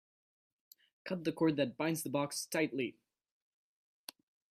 Cut the cord that binds the box tightly.